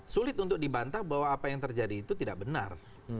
sulit untuk dibantah bahwa apa yang terjadi itu tidak benar